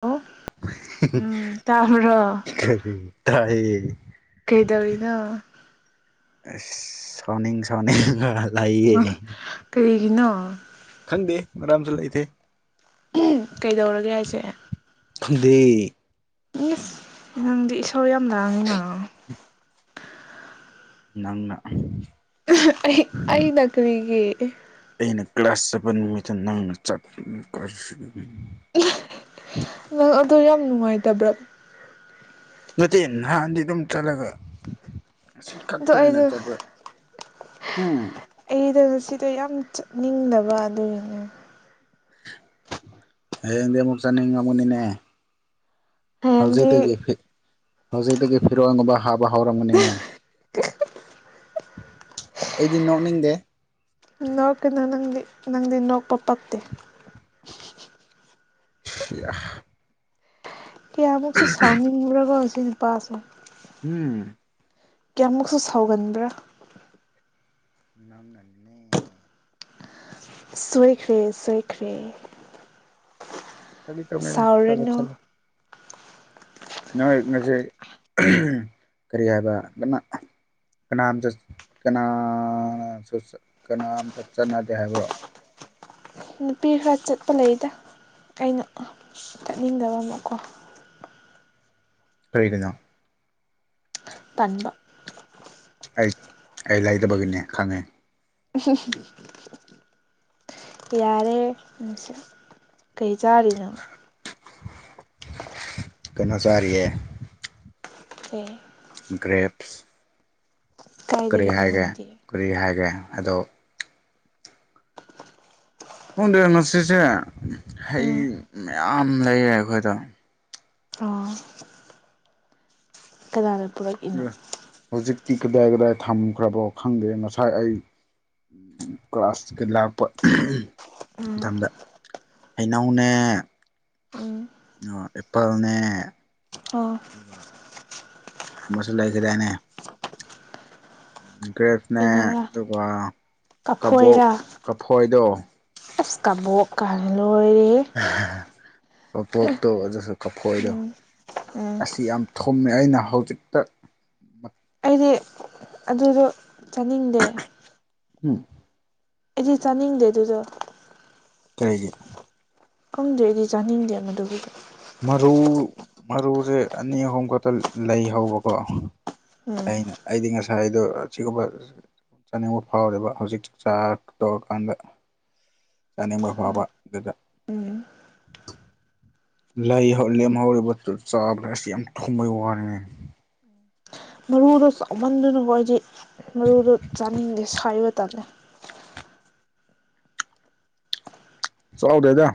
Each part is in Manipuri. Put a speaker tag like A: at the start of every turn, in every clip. A: ꯑꯣ ꯎꯝ ꯇꯥꯔ
B: ꯎ [unintelligible] ꯇꯌꯦ
A: ꯀꯩꯗꯧꯔꯤꯒ
B: ꯁꯣꯅꯤ ꯁꯣꯅꯤ
A: ꯀꯩꯒꯤꯅꯣ
B: ꯈꯪꯗꯦ ꯃꯔꯝꯁꯨ ꯂꯩꯇꯦ
A: ꯀꯩꯗꯧꯔꯒꯦ ꯍꯥꯏꯁꯦ
B: ꯗ [unintelligible]
A: ꯏꯁꯁ ꯅꯪꯗꯤ ꯏꯁꯣꯔ ꯌꯥꯝ ꯂꯥꯡꯉꯤꯅ
B: ꯅꯪꯅ
A: [inaudible] ꯑꯩꯅ ꯀ꯭ꯔꯤꯒꯤ
B: ꯑꯩꯅ ꯀ꯭ꯂꯥꯁ ꯁꯕꯦꯟ ꯅꯨꯃꯤꯠꯇ ꯅꯪꯅ [unintelligible]
A: ꯑꯦ ꯅꯪ ꯑꯗꯨ ꯌꯥꯝ ꯅꯨꯡꯉꯥꯏꯇꯕ꯭ꯔꯥ꯫
B: ꯅꯠꯇꯦ ꯅꯍꯥꯟꯗꯤ ꯑꯗꯨꯝ ꯆꯠꯂꯒ ꯉꯁꯤ
A: ꯑꯗꯣ
B: ꯈꯛꯇ ꯑꯩꯅ
A: ꯑꯩꯗꯣ
B: ꯆꯠꯄ ꯎꯝ
A: ꯑꯩꯗꯣ ꯉꯁꯤꯗꯣ ꯌꯥꯝ ꯆꯠꯅꯤꯡꯗꯕ ꯑꯗꯨꯒꯤꯅꯦ꯫
B: ꯍꯌꯦꯡꯗꯤ ꯑꯃꯨꯛ ꯆꯠꯅꯤꯡꯉꯝꯒꯅꯤꯅꯦ꯫
A: ꯍꯌꯦꯡꯗꯤ
B: ꯍꯧꯖꯤꯛꯇꯒꯤ ꯐꯤ ꯍꯧꯖꯤꯛꯇꯒꯤ ꯐꯤꯔꯣꯟꯒꯨꯝꯕ ꯍꯥꯞꯄ ꯍꯧꯔꯝꯒꯅꯤꯅꯦ꯫
A: [unintelligible]
B: ꯑꯩꯗꯤ ꯅꯣꯛꯅꯤꯡꯗꯦ꯫
A: ꯅꯣꯛꯀꯅꯣ ꯅꯪꯗꯤ ꯅꯪꯗꯤ ꯅꯣꯛꯄ ꯄꯛꯇꯦ꯫
B: ꯁꯤꯑ
A: ꯀꯌꯥꯃꯨꯛꯁꯨ ꯁꯥꯎꯅꯤꯡꯕ꯭ꯔꯀꯣ ꯁꯤ ꯅꯨꯄꯥꯁꯦ꯫
B: ꯎꯝ
A: ꯀꯌꯥꯃꯨꯛꯁꯨ ꯁꯥꯎꯒꯟꯕ꯭ꯔꯥ
B: ꯅꯪꯅꯅꯤꯅꯦ
A: ꯁꯣꯏꯈ꯭ꯔꯦ ꯁꯣꯏꯈ꯭ꯔꯦ
B: ꯐꯥꯒꯤ ꯇꯧꯅꯤꯗ ꯆꯠꯂꯣ
A: ꯁꯥꯎꯔꯅꯨ
B: ꯆꯠꯂꯣ꯫ ꯅꯣꯏ ꯉꯁꯤ ꯎꯝ ꯀꯔꯤ ꯍꯥꯏꯕ ꯑꯃ ꯀꯅꯥꯝꯇ ꯀꯅꯥꯁꯨ ꯀꯅꯥꯝꯇ ꯆꯠꯅꯗꯦ ꯍꯥꯏꯕ꯭ꯔꯣ
A: ꯅꯨꯄꯤ ꯈꯔ ꯆꯠꯄ ꯂꯩꯗ ꯑꯩꯅ ꯆꯠꯅꯤꯡꯗꯕ ꯑꯃꯀꯣ
B: ꯀꯩꯒꯤꯅꯣ
A: ꯇꯟꯕ
B: ꯑꯩ ꯑꯩ ꯂꯩꯇꯕꯒꯤꯅꯦ ꯈꯪꯉꯦ
A: [unintelligible] ꯌꯥꯔꯦ [unintelligible] ꯀꯩ ꯆꯥꯔꯤꯅꯣ
B: ꯀꯩꯅꯣ ꯆꯥꯔꯤꯌꯦ
A: ꯀꯩ
B: ꯒ꯭ꯔꯦꯞꯁ ꯀꯔꯤ
A: ꯀꯥꯏꯗꯒꯤꯅꯣ
B: ꯍꯥꯏꯒꯦ
A: ꯅꯪꯗꯤ
B: ꯀ꯭ꯔꯤ ꯍꯥꯏꯒꯦ ꯑꯗꯣ ꯈꯣꯟꯗꯦ ꯉꯁꯤꯁꯦ ꯍꯩ
A: ꯎꯝ
B: ꯃꯌꯥꯝ ꯂꯩꯌꯦ ꯑꯩꯈꯣꯏꯗ
A: ꯑꯣ ꯀꯅꯥꯅ ꯄꯨꯔꯛ
B: ꯏꯌꯥ ꯍꯧꯖꯤꯛꯇꯤ ꯀꯗꯥꯏ ꯀꯗꯥꯏ ꯊꯝꯈ꯭ꯔꯕꯣ ꯈꯪꯗꯦ ꯉꯁꯥꯏ ꯑꯩ ꯀ꯭ꯂꯥꯁꯀ ꯂꯥꯛꯄ [unintelligible]
A: ꯎꯝ
B: ꯃꯇꯝꯗ ꯍꯩꯅꯧꯅꯦ
A: ꯎꯝ
B: [unintelligible] ꯑꯦꯄꯜꯅꯦ
A: ꯑꯣ
B: ꯑꯗꯨꯒ ꯑꯃꯁꯨ ꯂꯩꯈꯤꯗꯥꯢꯅꯦ ꯒ꯭ꯔꯦꯐꯅꯦ
A: ꯀꯩꯅꯣꯔꯥ
B: ꯑꯗꯨꯒ ꯀꯕꯣꯛ
A: ꯀꯐꯣꯏꯔꯥ
B: ꯀꯐꯣꯏꯗꯣ
A: ꯑꯁ ꯀꯕꯣꯛꯀꯥꯢꯅ ꯂꯣꯏꯔꯦꯍꯦ
B: [unintelligible] ꯀꯕꯣꯛꯇꯣ ꯑꯗꯨꯁꯨ ꯀꯐꯣꯏꯗꯣ
A: ꯎꯝ ꯎꯝ
B: ꯑꯁ ꯌꯥꯝ ꯊꯨꯝꯃꯦ ꯑꯩꯅ ꯍꯧꯖꯤꯛꯇ
A: ꯑꯩꯗꯤ ꯑꯗꯨꯗꯣ ꯆꯥꯅꯤꯡꯗꯦ
B: [unintelligible]
A: ꯑꯩꯗꯤ ꯆꯥꯅꯤꯡꯗꯦ ꯗꯨꯗꯣ
B: ꯀꯩꯒꯤ
A: ꯈꯪꯗꯦ ꯑꯩꯗꯤ ꯆꯥꯅꯤꯡꯗꯦ ꯃꯗꯨꯒꯤꯗꯨ
B: ꯃꯔꯨ ꯃꯔꯨꯖꯦ ꯑꯅꯤ ꯑꯍꯨꯝ ꯈꯛꯇ ꯂꯩꯍꯧꯕꯀꯣ
A: ꯎꯝ
B: ꯑꯩꯅ ꯑꯩꯗꯤ ꯉꯁꯥꯏꯗꯣ ꯑꯆꯤꯒꯨꯝꯕ ꯆꯥꯅꯤꯡꯕ ꯐꯥꯎꯔꯦꯕ ꯍꯧꯖꯤꯛ ꯆꯥ ꯇꯧꯔꯀꯥꯟꯗ ꯆꯥꯅꯤꯡꯕ ꯐꯥꯎꯕ ꯑꯗꯨꯗ
A: ꯎꯝ
B: ꯂꯩ ꯂꯦꯝꯍꯧꯔꯤꯕꯗꯨ ꯆꯥꯕꯗ ꯑꯁ ꯌꯥꯝ ꯊꯨꯝꯕꯩ ꯋꯥꯅꯤ
A: ꯃꯔꯨꯗꯣ ꯆꯥꯎꯃꯟꯗꯨꯅꯀꯣ ꯑꯩꯗꯤ ꯃꯔꯨꯗꯣ ꯆꯥꯅꯤꯡꯗꯦ ꯁꯥꯏꯕ ꯇꯜꯂꯦ
B: ꯆꯥꯎꯗꯦꯗ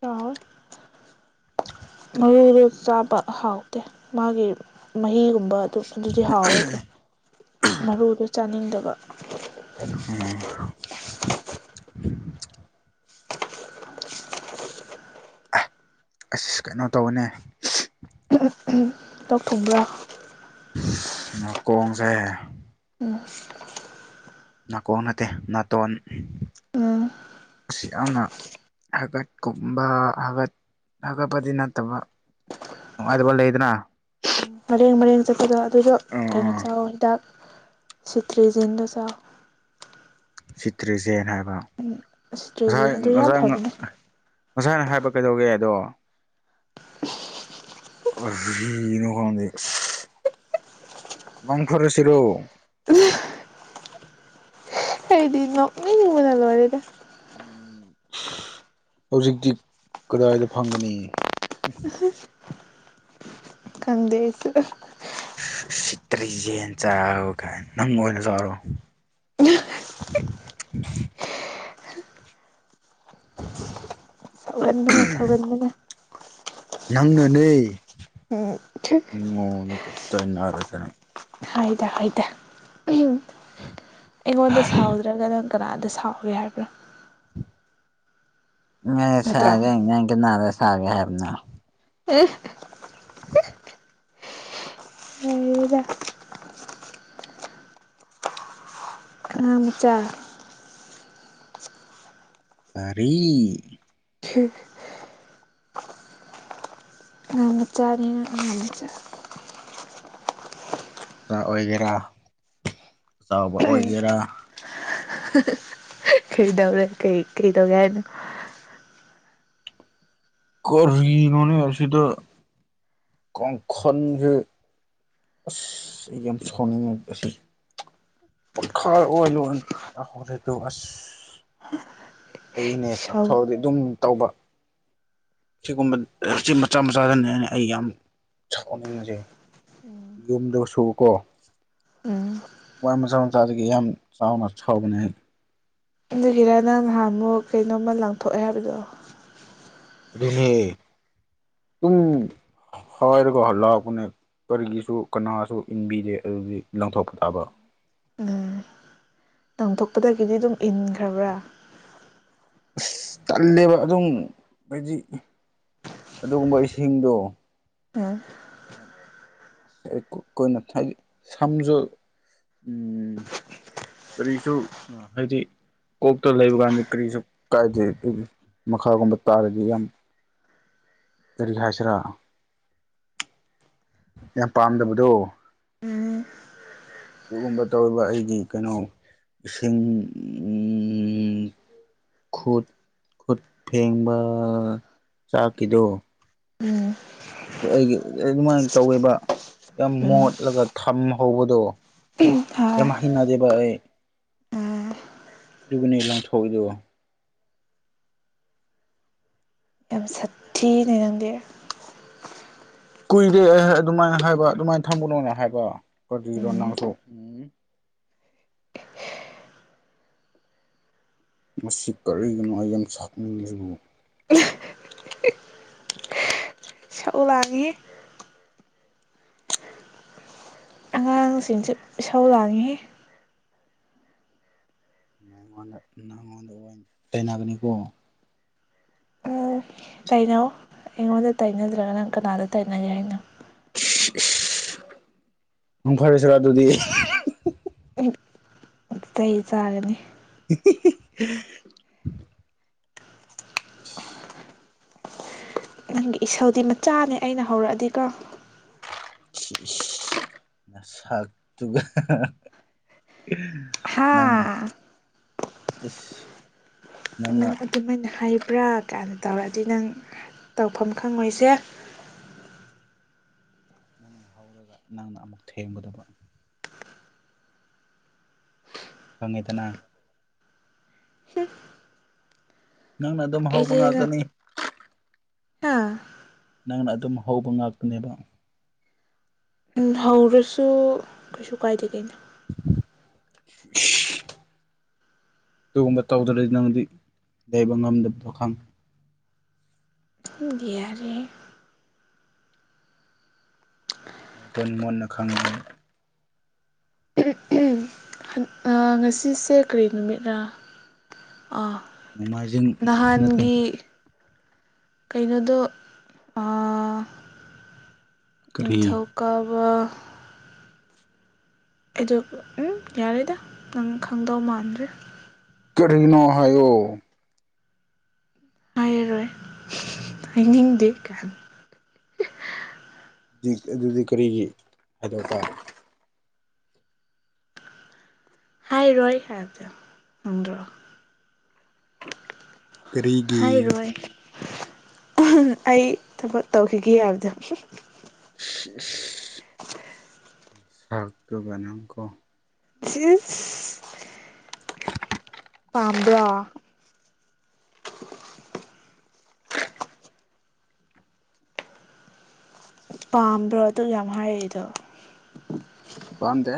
A: ꯆꯥꯎꯋꯦ ꯃꯔꯨꯗꯣ ꯆꯥꯕ ꯍꯥꯎꯇꯦ ꯃꯥꯒꯤ ꯃꯍꯤꯒꯨꯝꯕ ꯑꯗꯨ ꯑꯗꯨꯗꯤ ꯍꯥꯎꯋꯦ ꯑꯗꯣ ꯃꯔꯨꯗꯣ ꯆꯥꯅꯤꯡꯗꯕ
B: [unintelligible] ꯑꯁ ꯀꯩꯅꯣ ꯇꯧꯕꯅꯦ
A: ꯂꯣꯛ ꯊꯨꯡꯕ꯭ꯔꯥ
B: ꯅꯥꯀꯣꯡꯖꯦ
A: ꯎꯝ
B: ꯅꯥꯀꯣꯡ ꯅꯠꯇꯦ ꯅꯥꯇꯣꯟ
A: ꯎꯝ
B: ꯑꯁꯤ ꯌꯥꯝꯅ ꯍꯥꯒꯠꯀꯨꯝꯕ ꯍꯥꯒꯠ ꯍꯥꯒꯠꯄꯗꯤ ꯅꯠꯇꯕ ꯅꯨꯡꯉꯥꯏꯇꯕ ꯂꯩꯗꯅ
A: ꯃꯔꯦꯡ ꯃꯔꯦꯡ ꯆꯠꯄꯗꯣ ꯑꯗꯨꯗꯣ
B: ꯑꯥ
A: ꯀꯩꯅꯣ
B: ꯑꯥ
A: ꯆꯥꯎ ꯍꯤꯗꯥꯛ ꯁꯤꯇ꯭ꯔꯤꯖꯤꯟꯗꯣ ꯆꯥꯎ
B: ꯁꯤꯇ꯭ꯔꯤꯖꯦꯟ ꯍꯥꯏꯕ ꯉꯁꯥꯏ
A: ꯁꯤꯇ꯭ꯔꯤꯖꯤꯟ ꯑꯗꯨ ꯌꯥꯝ
B: ꯉꯁꯥꯏ
A: ꯐꯕꯅꯦ
B: [unintelligible] ꯉꯁꯥꯅ ꯍꯥꯏꯕ ꯀꯩꯗꯧꯒꯦ ꯑꯗꯣ
A: [unintelligible]
B: [unintelligible] ꯃꯥꯡ ꯐꯔꯁꯤꯔꯣ
A: [unintelligible] ꯑꯩꯗꯤ ꯅ‌ꯣꯛꯅꯤꯡꯕꯅ ꯂ‌ꯣꯏꯔ‌ꯦꯗ
B: ꯍꯧꯖꯤꯛꯇꯤ ꯀꯗꯥꯏꯗ ꯐꯪꯒꯅꯤ
A: [unintelligible] ꯈꯪꯗ‌ꯦ ꯑꯩꯁꯨ
B: ꯁꯤꯇꯔꯤꯖꯤ ꯌ‌ꯦꯟ ꯆꯥꯔ‌ꯣ ꯀꯥꯏꯅ ꯅꯪ ꯑ‌ꯣꯏꯅ ꯆꯔꯣ
A: [unintelligible]
B: [unintelligible]
A: ꯁꯧꯒꯟꯕꯅ ꯁꯧꯒꯟꯕꯅ
B: ꯅꯪꯅꯅꯦ
A: ꯎꯝ ꯊ
B: ꯑꯩꯉ‌ꯣꯟꯗꯒ ꯇꯥꯏꯅꯔꯗꯅ
A: ꯍꯥꯏꯗ ꯍꯥꯏꯗ ꯑꯩꯉꯣꯟꯗ ꯁꯥꯎꯗ꯭ꯔꯒꯅ ꯀꯅꯥꯗ ꯁꯥꯎꯒꯦ ꯍꯥꯏꯕ꯭ꯔꯥ
B: ꯅ
A: ꯅꯠꯇ꯭ꯔꯣ
B: ꯁꯥꯒꯦ ꯑꯩꯅ ꯀ ꯅꯥꯔꯦ ꯁꯥꯒꯦ ꯍꯥꯏꯕꯅ
A: ꯑ
B: [unintelligible]
A: ꯎꯒ ꯑꯉꯥꯡꯃꯆꯥ
B: ꯀꯔꯤ
A: [unintelligible] ꯑꯉꯥꯡꯃꯆꯥꯅꯤꯅ ꯑꯉꯥꯡꯃꯆꯥ
B: ꯆꯥꯑꯣꯏꯒꯦꯔꯥ ꯆꯥꯎꯕ ꯑꯣꯏꯒꯦꯔꯥ
A: ꯀꯩ ꯇꯧꯔꯦ ꯀꯩ ꯀꯩ ꯇꯧꯒꯦ ꯍꯥꯏꯅꯣ
B: ꯀꯔꯤꯅꯣꯅꯦ ꯑꯁꯤꯗ ꯀꯥꯡꯈꯜꯁꯦ ꯑꯁ ꯑꯩ ꯌꯥꯝ ꯁꯥꯎꯅꯤꯡꯉꯦ ꯑꯁꯤ [unintelligible] ꯑꯣꯏꯂꯣꯗꯣ ꯑꯁ ꯑꯅꯦ
A: ꯏꯁꯧ
B: ꯆꯠꯊꯣꯛꯑꯗꯤ ꯑꯗꯨꯝ ꯇꯧꯕ ꯁꯤꯒꯨꯝꯕ ꯁꯤ ꯃꯆꯥ ꯃꯆꯥꯗꯅꯦꯅꯦ ꯑꯩ ꯌꯥꯝ ꯁ‌ꯧꯅꯤꯡꯉꯤꯁꯦ ꯌꯨꯝꯗꯁꯨꯎꯀꯣ
A: ꯎꯝ
B: ꯋꯥ ꯃꯆꯥ ꯃꯆꯥꯗꯒꯤ ꯌꯥꯝ ꯆꯥꯎꯅ ꯁꯥꯎꯕꯅꯦꯍꯦ
A: ꯑꯗꯨꯒꯤꯔꯥ ꯅꯪ ꯅꯍꯥꯟꯃꯨꯛ ꯀꯩꯅꯣꯝꯃ ꯂꯪꯊꯣꯛꯑꯦ ꯍꯥꯏꯕꯗꯣ
B: ꯑꯗꯨꯅꯦ ꯎꯝ ꯍꯥꯏꯔꯒ ꯍꯜꯂꯛꯄꯅꯦ ꯀꯔꯤꯒꯤꯁꯨ ꯀꯅꯥꯁꯨ ꯏꯟꯕꯤꯗꯦ ꯑꯗꯨꯗꯤ ꯂꯪꯊꯣꯛꯄ ꯇꯥꯕ
A: ꯎꯝ ꯂꯪꯊꯣꯛꯄꯗꯒꯤꯗꯤ ꯑꯗꯨꯝ ꯏꯟꯈ꯭ꯔꯕ꯭ꯔꯥ
B: ꯑꯁ ꯇꯜꯂꯦꯕ ꯑꯗꯨꯝ ꯍꯥꯏꯗꯤ ꯑꯗꯨꯒꯨꯝꯕ ꯋꯔꯤꯁꯤꯡꯗꯣ
A: [unintelligible]
B: [unintelligible] ꯁꯝꯁꯨ ꯎꯝ ꯀꯔꯤꯁꯨ ꯍꯥꯏꯗꯤ ꯀꯣꯛꯇ ꯂꯩꯕ ꯀꯥꯟꯗꯤ ꯀꯔꯤꯁꯨ ꯀꯥꯏꯗꯦ ꯑꯗꯨꯕꯨ ꯃꯈꯥꯒꯨꯝꯕ ꯇꯥꯔꯗꯤ ꯌꯥꯝ ꯀꯔꯤ ꯍꯥꯏꯁꯤꯔꯥ ꯌꯥꯝ ꯄꯥꯝꯗꯕꯗꯣ
A: ꯎꯝ
B: ꯑꯗꯨꯒꯨꯝꯕ ꯇꯧꯔꯤꯕ ꯑꯩꯒꯤ ꯀꯩꯅꯣ ꯏꯁꯤꯡ ꯈꯨꯠ ꯈꯨꯠ ꯐꯦꯡꯕ ꯆꯥꯛꯀꯤꯗꯣ
A: ꯎꯝ
B: ꯑꯩꯒꯤ ꯑꯗꯨꯃꯥꯏꯅ ꯇꯧꯋꯦꯕ ꯌꯥꯝ
A: ꯎꯝ
B: ꯃꯣꯠꯂꯒ ꯊꯝꯍꯧꯕꯗꯣ
A: ꯍꯣꯏ
B: ꯌꯥꯝ ꯍꯩꯅꯗꯦꯕ ꯑꯩ
A: ꯎꯝ
B: ꯑꯗꯨꯒꯅꯦ ꯂꯪꯊꯣꯛꯏꯗꯣ
A: ꯌꯥꯝ ꯁꯥꯊꯤꯅꯦ ꯅꯪꯗꯦ
B: ꯀꯨꯏꯔꯦ ꯑꯩ ꯑꯗꯨꯃꯥꯏꯅ ꯍꯥꯏꯕ ꯑꯗꯨꯃꯥꯏꯅ ꯊꯝꯒꯅꯨꯅ ꯍꯥꯏꯕ ꯀꯔꯤꯔꯣ
A: ꯎꯝ
B: ꯅꯪꯁꯨ ꯃꯁꯤ ꯀꯔꯤꯒꯤꯅꯣ ꯑꯩ ꯌꯥꯝ [unintelligible]
A: ꯎꯂꯅꯤ [inaudible] ꯁꯤꯡꯁꯦ ꯢꯁꯧ ꯂꯅꯤꯍꯦ
B: [inaudible] ꯅꯪꯉꯣꯟꯗ ꯑꯣꯏꯅ ꯇꯥꯢꯅꯒꯅꯤꯀꯣ
A: ꯇꯥꯢꯅꯧ ꯑꯩꯉꯣꯟꯗ ꯇꯥꯏꯅꯗ꯭ꯔꯒ ꯅꯪ ꯀꯅꯥꯗ ꯇꯩꯅꯒꯦ ꯍꯥꯏꯅꯣ
B: ꯏꯁ ꯢꯁ ꯃꯪ ꯐꯔꯁꯤꯔꯥ ꯑꯗꯨꯗꯤ
A: ꯆꯩ ꯆꯥꯒꯅꯤ
B: [unintelligible]
A: ꯅꯪꯒꯤ ꯏꯁꯧꯗꯤ ꯃꯆꯥꯅꯦ ꯑꯩꯅ ꯍꯧꯔꯛꯑꯗꯤꯀꯣ
B: ꯁꯛꯇꯨꯒ ꯅꯪ
A: ꯍꯥ
B: [inaudible]
A: ꯅꯪ ꯑꯗꯨꯃꯥꯏꯅ ꯍꯥꯏꯕ꯭ꯔꯥ ꯀꯥꯏꯅ ꯇꯧꯔꯛꯑꯗꯤ ꯅꯪ ꯇꯧꯐꯝ ꯈꯪꯉꯣꯏꯁꯦ
B: ꯅꯪꯅ ꯍꯧꯔꯒ ꯅꯪꯅ ꯑꯃꯨꯛ ꯊꯦꯡꯒꯗꯕ ꯀꯪꯉꯦꯗꯅ ꯅꯪꯅ ꯑꯗꯨꯝ
A: ꯑꯩ
B: ꯍꯧꯕ ꯉꯥꯛꯇꯅꯤ
A: [unintelligible]
B: ꯅꯪꯅ ꯑꯗꯨꯝ ꯍꯧꯕ ꯉꯥꯛꯇꯅꯦꯕ
A: ꯍꯧꯔꯁꯨ ꯀꯩꯁꯨ ꯀꯥꯏꯗꯦ ꯀꯩꯅꯣ
B: [unintelligible] ꯑꯗꯨꯒꯨꯝꯕ ꯇꯧꯗ꯭ꯔꯗꯤ ꯅꯪꯗꯤ ꯂꯩꯕ ꯉꯝꯗꯕꯗꯣ ꯈꯪꯑꯦ
A: [inaudible] ꯌꯥꯔꯦꯍꯦ [unintelligible]
B: ꯅꯇꯨꯟ ꯃꯨꯟꯅꯅ ꯈꯪꯑꯦ
A: ꯎꯝ ꯎꯝ ꯉꯁꯤꯁꯦ ꯀꯔꯤ ꯅꯨꯃꯤꯠꯔ ꯑ
B: ꯅꯣꯡꯃꯥꯏꯖꯤꯡ ꯅꯠꯇꯦ
A: ꯅꯍꯥꯟꯒꯤ ꯀꯩꯅꯣꯗꯣ ꯑ
B: ꯀꯔꯤ
A: ꯅꯤꯡꯊꯧꯀꯥꯕ ꯑꯩꯗꯣ ꯎꯝ ꯌꯥꯔꯦꯗ ꯅꯪ ꯈꯪꯗꯧ ꯃꯥꯟꯗ꯭ꯔꯦ
B: ꯀꯔꯤꯅꯣ ꯍꯥꯏꯌꯣ
A: ꯍꯥꯏꯔꯣꯏ ꯍꯥꯏꯅꯤꯡꯗꯦ [inaudible]
B: ꯑꯗꯨꯗꯤ ꯀꯔꯤꯒꯤ ꯍꯥꯏꯗꯣꯛ ꯇꯥꯔꯦ
A: ꯍꯥꯏꯔꯣꯏ
B: ꯀꯔꯤꯒꯤ
A: ꯍꯥꯏꯔꯣꯏ ꯑꯩ ꯊꯕꯛ ꯇꯧꯈꯤꯒꯦ ꯍꯥꯏꯕꯗ
B: [unintelligible] ꯁꯛꯇꯨꯒ ꯅꯪꯀꯣ
A: [unintelligible] ꯄꯥꯝꯕ꯭ꯔꯣ [unintelligible] ꯄꯥꯝꯕ꯭ꯔꯣ ꯑꯗꯨ ꯌꯥꯝ ꯍꯥꯏꯗꯣ
B: ꯄꯥꯝꯗꯦ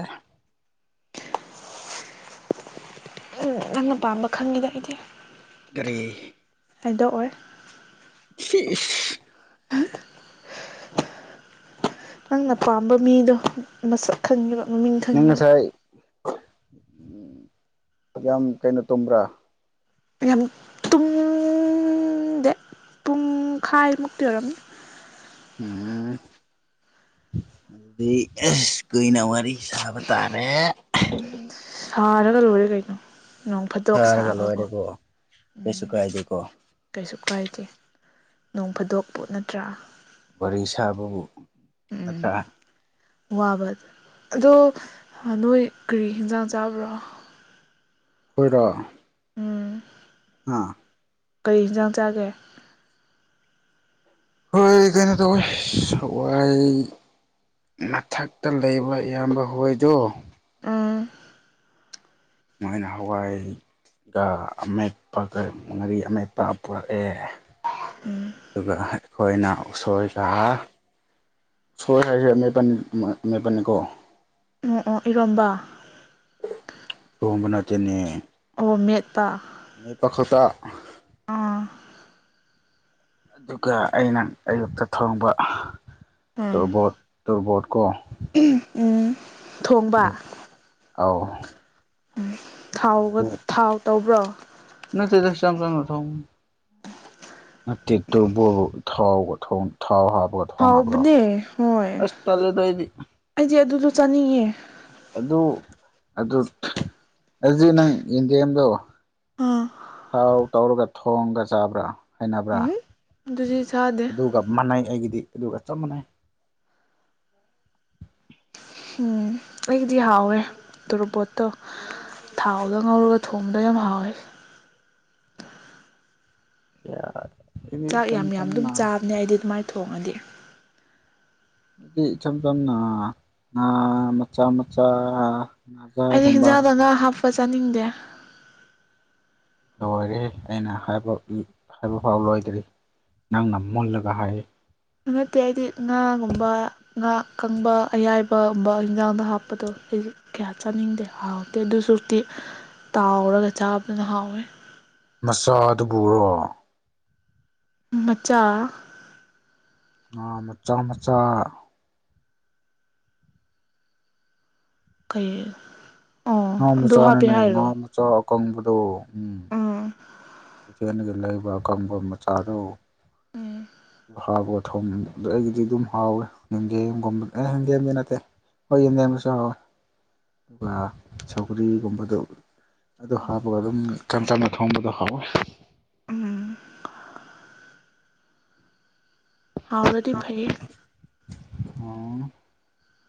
A: ꯎꯝ ꯅꯪꯅ ꯄꯥꯝꯕ ꯈꯪꯉꯤꯗ ꯑꯩꯗꯤ
B: ꯀꯔꯤ
A: ꯍꯥꯏꯗꯣꯛ ꯑꯣꯏ
B: [unintelligible]
A: ꯅꯪꯅ ꯄꯥꯝꯕ ꯃꯤꯗꯣ ꯃꯁꯛ ꯈꯪꯉꯤꯕ ꯃꯃꯤꯡ
B: ꯅꯪ
A: ꯈꯪꯈꯤꯕ
B: ꯉꯁꯥꯏ ꯌꯥꯝ ꯀꯩꯅꯣ ꯇꯨꯝꯕ꯭ꯔꯥ
A: ꯌꯥꯝ ꯄꯨꯡꯈꯥꯏ ꯃꯨꯛꯇꯤ ꯑꯣꯏꯔꯝꯅꯤ
B: ꯎꯝ ꯑꯗꯨꯗꯤꯁ ꯀꯨꯏꯅ ꯋꯥꯔꯤ ꯁꯥꯕ ꯇꯥꯔꯦ꯫
A: ꯁꯔꯥꯒ ꯂꯣꯏꯔꯦ ꯀꯩꯅꯣ꯫ ꯅꯣꯡ ꯐꯥꯠꯇꯣꯛ
B: ꯁꯥꯔꯒ
A: ꯁꯥꯕꯕꯨ
B: ꯂꯣꯏꯔꯦꯀꯣ
A: ꯎꯝ
B: ꯀꯩꯁꯨ ꯀꯥꯏꯗꯦꯀꯣ
A: ꯀꯩꯁꯨ ꯀꯥꯏꯗꯦ ꯅꯣꯡ ꯐꯥꯗꯣꯛꯄꯨ ꯅꯠꯇ꯭ꯔꯥ
B: ꯋꯥꯔꯤ ꯁꯥꯕꯕꯨ
A: ꯎꯝ
B: ꯅꯠꯇ꯭ꯔ
A: ꯋꯥꯕ ꯑꯗꯣ ꯅꯣꯏ ꯀꯔꯤ ꯍꯟꯖꯥꯡ ꯆꯥꯕ꯭ꯔꯣ
B: ꯈꯣꯏꯔꯣ
A: ꯎꯝ
B: ꯑꯥ
A: ꯀꯔꯤ ꯍꯦꯟꯖꯥꯡ ꯆꯥꯒꯦ꯫
B: ꯍꯣꯏ ꯀꯩꯅꯣ ꯇꯧꯏ ꯁꯋꯥꯏ ꯃꯊꯛꯇ ꯂꯩꯕ ꯏꯌꯥꯝꯕ ꯍꯣꯏꯗꯨ
A: ꯎꯝ
B: ꯃꯥꯏꯅ ꯍꯋꯥꯏ ꯑꯃꯦꯠꯄ ꯉꯥꯔꯤ ꯑꯃꯦꯠꯄ ꯄꯨꯔꯛꯑꯦ꯫
A: ꯎꯝ
B: ꯑꯗꯨꯒ ꯑꯩꯈꯣꯏꯅ ꯎꯁꯣꯏꯒ ꯁꯣꯏ ꯍꯥꯏꯁꯦ ꯑꯃꯦꯠꯄ ꯑꯃꯦꯠꯄꯅꯤꯀꯣ꯫
A: ꯑꯣ ꯑꯣ ꯏꯔꯣꯝꯕ
B: ꯁꯣꯝꯕ ꯅꯠꯇꯦꯅꯦ꯫
A: ꯑꯣ ꯃꯦꯠꯇꯄ
B: ꯃꯦꯠꯄ ꯈꯛꯇ
A: ꯎꯝ
B: ꯑꯗꯨꯒ ꯑꯩꯅ ꯑꯌꯨꯛꯇ ꯊꯣꯡꯕ
A: ꯎꯝ
B: ꯇꯕꯣꯠ ꯇꯕꯣꯠꯀꯣ
A: ꯎꯝ ꯊꯣꯡꯕ
B: ꯑꯧ
A: ꯊꯥꯎꯒ ꯊꯥꯎ ꯇꯧꯕ꯭ꯔꯣ
B: ꯅꯠꯇꯦꯗ [unintelligible] ꯇꯦꯠꯇꯣꯕꯣ ꯊꯥꯎ ꯊꯥꯎ ꯍꯥꯞꯄ
A: ꯍꯥꯎꯕꯅꯦ ꯍꯣꯏ
B: ꯑꯩꯗꯤ
A: ꯑꯩꯗꯤ ꯑꯗꯨꯗꯣ ꯆꯥꯅꯤꯡꯉꯦ꯫
B: ꯑꯗꯨ ꯑꯗꯨ ꯑꯗꯨꯗꯤ ꯅꯪ ꯌꯦꯟꯗꯦꯝꯗꯣ
A: ꯑꯥ
B: ꯊꯥꯎ ꯇꯧꯔꯒ ꯊꯣꯡꯒ ꯆꯥꯕ꯭ꯔꯥ ꯍꯩꯅꯕ꯭ꯔꯥ
A: ꯎꯝ ꯑꯗꯨꯗꯤ ꯆꯥꯗꯦ꯫
B: ꯑꯗꯨꯒ ꯃꯥꯟꯅꯩ ꯑꯩꯒꯤꯗꯤ ꯑꯗꯨꯒ ꯆꯞ ꯃꯥꯟꯅꯩ꯫
A: ꯎꯝ ꯑꯦꯗꯤ ꯍꯥꯎꯋꯦ ꯇꯔꯕꯣꯠꯇꯣ ꯊꯥꯎꯗ ꯉꯧꯔꯒ ꯊꯣꯡꯕꯗ ꯌꯥꯝ ꯍꯥꯎꯋꯦ꯫
B: ꯌꯥ
A: ꯆꯥꯛ ꯌꯥꯝ ꯌꯥꯝ ꯑꯗꯨꯝ ꯆꯥꯕꯅꯦ ꯑꯩꯗꯤ ꯑꯗꯨꯃꯥꯏꯅ ꯊꯣꯡꯉꯗꯤ꯫
B: ꯗꯤ ꯏꯆꯝ ꯆꯝꯅ ꯉꯥ ꯃꯆꯥ ꯃꯆꯥ
A: ꯑꯩꯅ
B: ꯉꯥꯖꯥꯏꯒꯨꯝꯕ
A: ꯍꯤꯟꯖꯥꯡꯗ ꯉ
B: ꯍꯥꯞꯄꯒ
A: ꯍꯥꯞꯄ ꯆꯥꯅꯤꯡꯗꯦ꯫
B: ꯂꯣꯏꯔꯦ ꯑꯩꯅꯕ ꯍꯥꯏꯕ ꯐꯥꯎ ꯂꯣꯏꯗ꯭ꯔꯔꯤ ꯅꯪꯅ ꯃꯨꯜꯂꯒ ꯍꯥꯏꯌꯦ꯫
A: ꯑꯗꯨ ꯅꯠꯇꯦ ꯑꯩꯗꯤ ꯉꯥꯒꯨꯝꯕ꯫ ꯉꯥ ꯀꯪꯕ ꯑꯌꯥꯏꯕꯒꯨꯝꯕ ꯌꯦꯟꯖꯥꯡꯗ ꯍꯥꯞꯄꯗꯣ ꯑꯩꯁꯨ ꯀꯌꯥ ꯆꯥꯅꯤꯡꯗꯦ ꯍꯥꯎꯋ ꯑꯦ ꯑꯗꯨꯁꯨꯛꯇꯤ ꯇꯥꯎꯔꯒ ꯆꯥꯕꯗꯨꯅ ꯍꯥꯎꯋꯦ꯫
B: ꯃꯆꯥꯥꯗꯨꯕꯨꯔꯣ
A: ꯃꯆꯥꯆꯥ
B: ꯉꯥ ꯃꯆꯥ ꯃꯆꯥ
A: ꯀꯏ
B: ꯉꯥ ꯃꯆꯥꯅꯤꯅꯦ ꯉꯥ ꯃꯆꯥ ꯑꯀꯪꯕꯗ ꯎꯝ
A: ꯎꯝ
B: ꯀꯊꯦꯟꯒꯤ ꯂꯩꯕ ꯀꯪꯒ ꯑꯃ ꯆꯥꯔꯨ
A: ꯎꯝ
B: ꯍꯥꯎꯕ ꯊꯣꯡ ꯑꯗꯨ ꯑꯩꯒꯤꯗꯤ ꯑꯗꯨꯝ ꯍꯥꯎꯋꯦ ꯍꯤꯡꯒꯦꯝꯒꯨꯝꯕ ꯑꯦ ꯍꯤꯡꯒꯦꯝꯗꯤ ꯅꯠꯇꯦ ꯁꯧꯒ꯭ꯔꯤꯒꯨꯝꯕꯗꯣ ꯑꯗꯨ ꯍꯥꯞꯄꯒ ꯑꯗꯨꯝ ꯆꯝ ꯆꯝꯅ ꯊꯣꯡꯕꯗꯣ ꯍꯥꯎꯋꯦ
A: ꯎꯝ ꯍꯥꯎꯔꯗꯤ ꯐꯩꯌꯦ
B: ꯍꯝ